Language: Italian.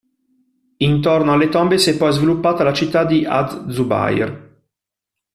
Intorno alle tombe si è poi sviluppata la città di Az-Zubayr.